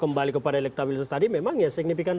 kembali kepada elektabilitas tadi memang ya signifikan